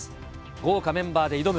豪華メンバーで挑む